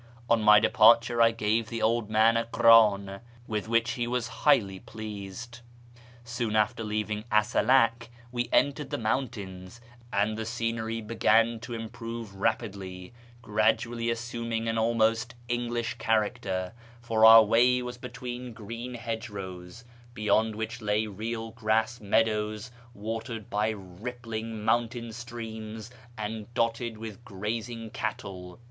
On my departure I gave the old man a krdn, with which he was highly pleased. Soon after leaving Asalak we entered the mountains, and the scenery began to improve rapidly, gradually assuming an almost English character ; for our way was between green hedgerows, beyond which lay real grass meadows watered by rippling mountain streams and dotted with grazing cattle.